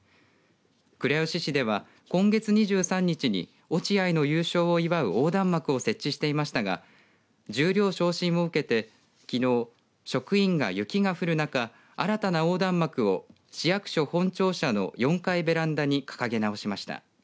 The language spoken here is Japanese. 倉吉市では今月２３日に落合の優勝を祝う横断幕を設置していましたが十両昇進を受けて、きのう職員が雪が降る中新たな横断幕を市役所本庁舎の４階ベランダに掲げ直しました。